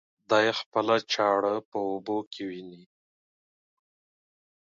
دى خپله چاړه په اوبو کې ويني.